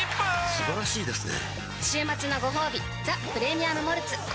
素晴らしいですね